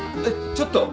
ちょっと。